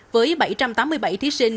với bảy trăm tám mươi bảy thí sinh